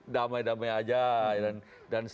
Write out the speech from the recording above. damai damai aja dan